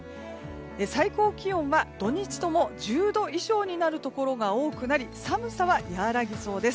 最高気温は土日とも１０度以上になるところが多くなり寒さは和らぎそうです。